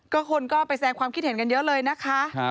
ก็คนก็ไปแสดงความคิดเห็นกันเยอะเลยนะคะ